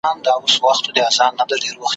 هره ښځه چي حجاب نه لري بې مالګي طعام ده ,